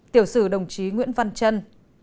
tiểu sử đồng chí nguyễn văn trân